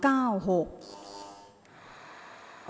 ออกรางวัลที่๖เลขที่๗